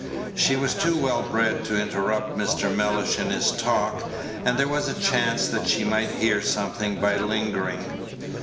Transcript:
She was too well bred to interrupt Mr. Mellish in his talk, and there was a chance that she might hear something by lingering.